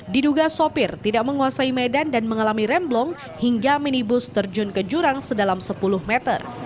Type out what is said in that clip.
diduga sopir tidak menguasai medan dan mengalami remblong hingga minibus terjun ke jurang sedalam sepuluh meter